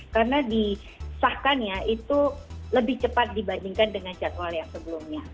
karena disahkannya itu lebih cepat dibandingkan dengan jadwal yang sebelumnya